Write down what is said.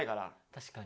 確かに。